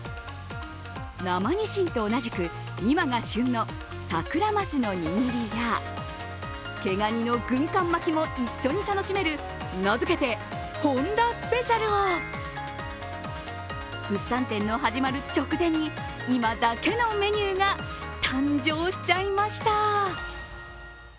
生ニシンと同じく、今が旬のサクラマスの握りや毛ガニの軍艦巻きも一緒に楽しめる名付けて本田スペシャルを物産展の始まる直前に、今だけのメニューが誕生しちゃいました。